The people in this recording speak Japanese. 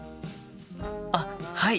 あっはい！